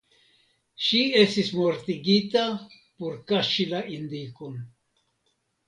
Ŝi estis mortigita por kaŝi la indikon.